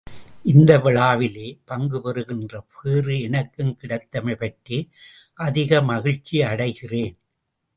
இந்த விழாவிலே பங்கு பெறுகின்ற பேறு எனக்கும் கிடைத்தமை பற்றி அதிக மகிழ்ச்சி அடைகிறேன்.